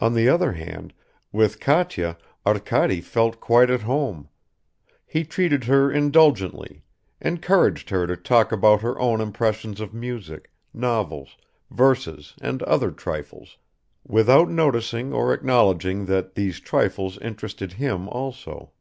On the other hand, with Katya Arkady felt quite at home; he treated her indulgently, encouraged her to talk about her own impressions of music, novels, verses and other trifles, without noticing or acknowledging that these trifles interested him also.